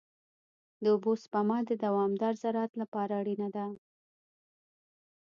د اوبو سپما د دوامدار زراعت لپاره اړینه ده.